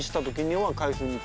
はい。